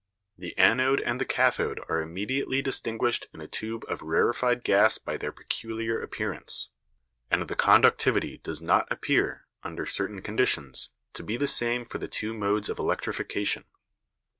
The anode and the cathode are immediately distinguished in a tube of rarefied gas by their peculiar appearance; and the conductivity does not appear, under certain conditions, to be the same for the two modes of electrification.